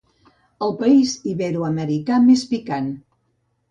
El país iberoamericà més picant.